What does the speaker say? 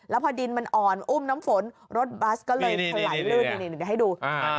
แล้วพอดินมันอ่อนอุ้มน้ำฝนรถบัสก็เลยถลายลื่นนี่เดี๋ยวให้ดู